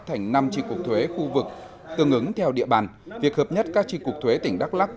thành năm tri cục thuế khu vực tương ứng theo địa bàn việc hợp nhất các tri cục thuế tỉnh đắk lắc